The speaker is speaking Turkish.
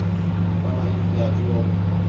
Bana ihtiyacı yok.